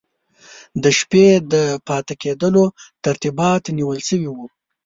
د شپې د پاته کېدلو ترتیبات نیول سوي وو.